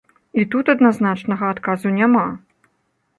І тут адназначнага адказу няма.